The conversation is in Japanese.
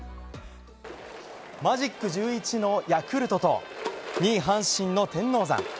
マジック１１のヤクルトと２位阪神の天王山。